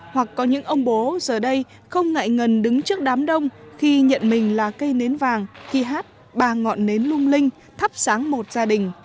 hoặc có những ông bố giờ đây không ngại ngần đứng trước đám đông khi nhận mình là cây nến vàng khi hát bà ngọn nến lung linh thắp sáng một gia đình